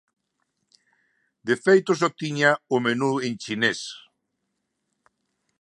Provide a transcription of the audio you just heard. De feito, só tiña o menú en chinés.